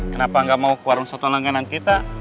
kenapa nggak mau ke warung soto langganan kita